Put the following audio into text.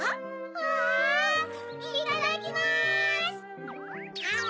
うわいただきます！